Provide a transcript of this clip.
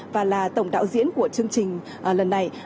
và là tổng đạo diễn của chương trình lần này